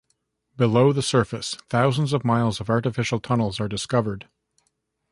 Below the surface, thousands of miles of artificial tunnels are discovered.